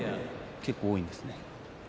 結構、多いんですね。